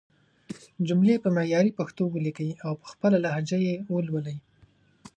جملې په معياري پښتو وليکئ او په خپله لهجه يې ولولئ!